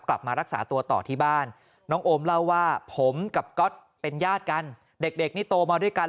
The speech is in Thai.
กลับมารักษาตัวต่อที่บ้านน้องโอมเล่าว่าผมกับก๊อตเป็นญาติกันเด็กนี่โตมาด้วยกัน